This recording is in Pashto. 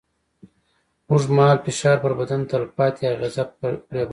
اوږدمهاله فشار پر بدن تلپاتې اغېزه پرېباسي.